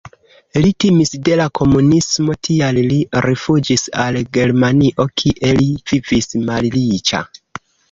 Li timis de la komunismo, tial li rifuĝis al Germanio, kie li vivis malriĉa.